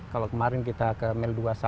kalau kemarin kita ke mel dua puluh satu